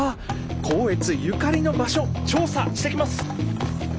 光悦ゆかりの場所調査してきます。